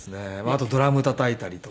あとドラムたたいたりとか。